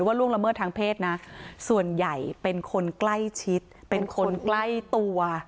ล่วงละเมิดทางเพศนะส่วนใหญ่เป็นคนใกล้ชิดเป็นคนใกล้ตัว